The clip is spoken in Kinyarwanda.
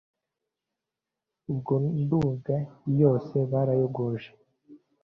ubwo nduga yose barayogoje